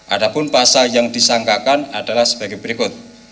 adapun pasal yang disangkakan adalah sebagai berikut